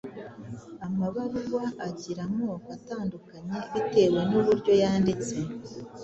Amabaruwa agira amoko atandukanye bitewe n’uburyo yanditse,